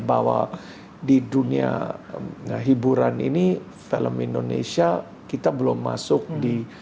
bahwa di dunia hiburan ini film indonesia kita belum masuk di